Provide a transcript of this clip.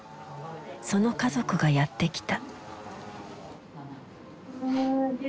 その家族がやって来た。